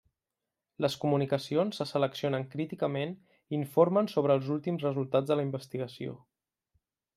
Les comunicacions se seleccionen críticament i informen sobre els últims resultats de la investigació.